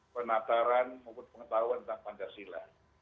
penataran maupun pengetahuan tentang pancasila